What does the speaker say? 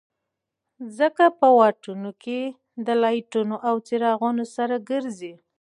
خلک په واټونو کې له لاټېنونو او څراغونو سره ګرځي.